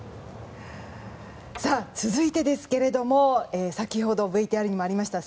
続いてですけど先ほどＶＴＲにもありました